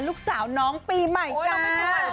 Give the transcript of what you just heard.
ลูกสาวน้องปีใหม่จ้า